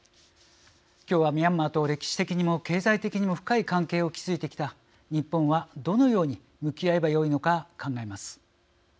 今日はミャンマーと歴史的にも経済的にも深い関係を築いてきた日本はどのように向き合えばよいのか考えます。